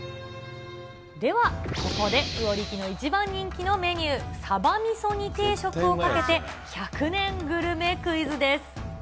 では、ここで魚力の一番人気のメニュー、さばみそ煮定食をかけて、１００年グルメクイズです。